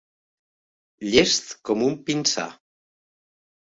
Llest com un pinsà.